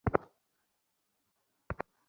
উভয় কুকুরকে আমাদের পক্ষ থেকে আন্তরিক অভিনন্দন।